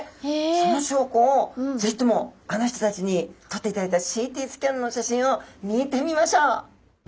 その証拠をぜひともあの人たちにとっていただいたＣＴスキャンの写真を見てみましょう。